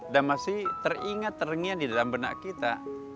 dan masih teringat teringat di dalam benak kita